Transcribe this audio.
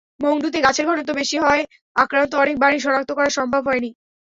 মংডুতে গাছের ঘনত্ব বেশি হওয়ায় আক্রান্ত অনেক বাড়ি শনাক্ত করা সম্ভব হয়নি।